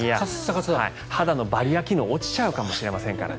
肌のバリアー機能落ちちゃうかもしれませんから。